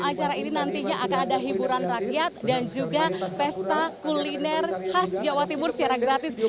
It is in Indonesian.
acara ini nantinya akan ada hiburan rakyat dan juga pesta kuliner khas jawa timur secara gratis